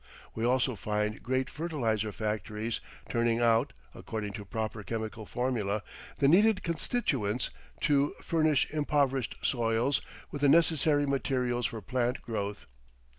We also find great fertilizer factories turning out, according to proper chemical formula, the needed constituents to furnish impoverished soils with the necessary materials for plant growth.